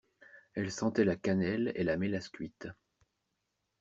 Elle sentait la cannelle et la mélasse cuite.